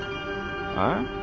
えっ？